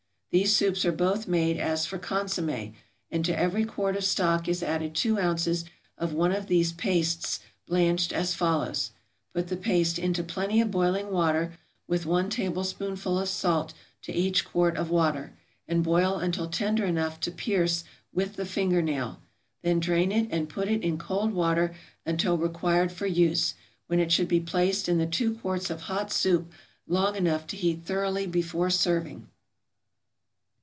= These soups are both made as for consommé; and to every quart of stock is added two ounces of one of these pastes blanched as follows. Put the paste into plenty of boiling water, with one tablespoonful of salt to each quart of water, and boil until tender enough to pierce with the finger nail; then drain it, and put it in cold water until required for use, when it should be placed in the two quarts of hot soup long enough to heat thoroughly before serving.